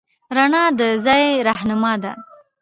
رڼا د ځای رهنما ده.